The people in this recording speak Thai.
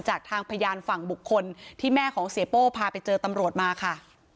จากทางพยานฝั่งบุคคลที่แม่ของเสียโป้พาไปเจอตำรวจมาค่ะ